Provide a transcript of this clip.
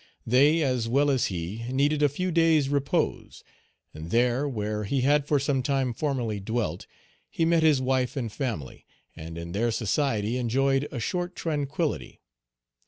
They, as well as he, needed a few days' repose. And there, where he had for some time formerly dwelt, he met his wife and family, and in their society enjoyed a short tranquillity.